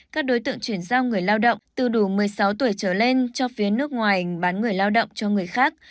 các đối tượng chuyển giao người lao động từ đủ một mươi sáu tuổi trở lên cho phía nước ngoài bán người lao động cho người khác